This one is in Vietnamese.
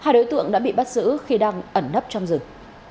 hai đối tượng đã bị bắt giữ khi đang ẩn nấp trong rừng